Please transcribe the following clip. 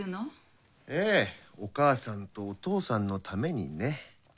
ええお母さんとお父さんのためにね。